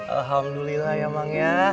alhamdulillah ya mang ya